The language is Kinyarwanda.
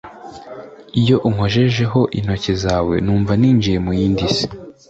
Iyo unkojejeho intoki zawe numva ninjiye mu yindi si